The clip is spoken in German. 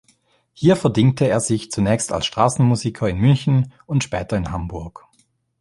Hier verdingte er sich zunächst als Straßenmusiker in München und später in Hamburg.